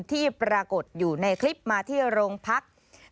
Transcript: ที่ปรากฏอยู่ในคลิปมาที่โรงพัก